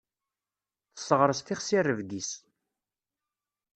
Tesseɣres tixsi rrebg-is.